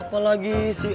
apa lagi sih